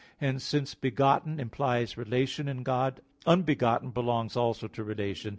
Hence, since "begotten" implies relation in God, "unbegotten" belongs also to relation.